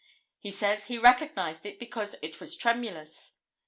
He says he recognized it because it was tremulous.